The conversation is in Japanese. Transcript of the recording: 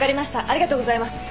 ありがとうございます。